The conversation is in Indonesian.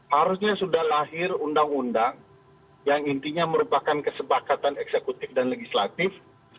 harusnya sudah lahir undang undang yang intinya merupakan kesepakatan eksekutif dan legislatif